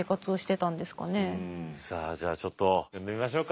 うんさあじゃあちょっと呼んでみましょうか。